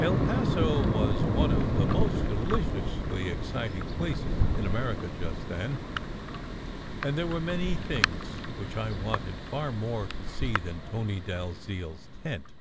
El Paso was one of the most deliciously exciting places in America just then, and there were many things which I wanted far more to see than Tony Dalziel s tent.